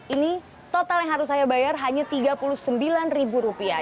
ini total yang harus saya bayar hanya tiga puluh sembilan ribu rupiah